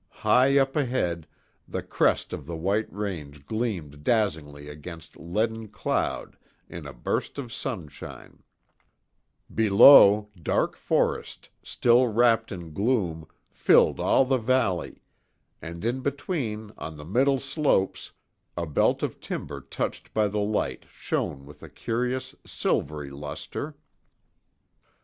High up ahead, the crest of the white range gleamed dazzlingly against leaden cloud in a burst of sunshine; below, dark forest, still wrapped in gloom, filled all the valley; and in between, on the middle slopes, a belt of timber touched by the light shone with a curious silvery lustre.